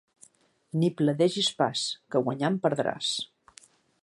No pledegis pas, que guanyant perdràs.